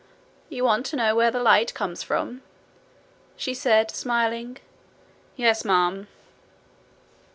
'You want to know where the light comes from?' she said, smiling. 'Yes, ma'am.'